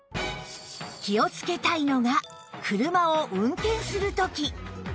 気をつけたいのが車を運転する時